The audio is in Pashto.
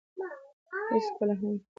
هېڅکله هم.